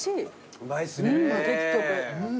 うまいですね。